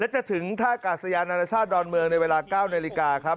จะถึงท่ากาศยานานาชาติดอนเมืองในเวลา๙นาฬิกาครับ